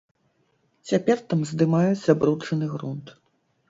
Цяпер там здымаюць забруджаны грунт.